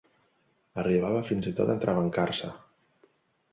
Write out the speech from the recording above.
Arribava fins i tot a entrebancar-se.